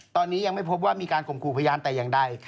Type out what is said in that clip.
ตอนนี้ยังไม่พบว่ามีการขมครูพยานแต่ยังได้